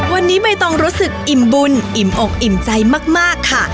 วันนี้ใบตองรู้สึกอิ่มบุญอิ่มอกอิ่มใจมากค่ะ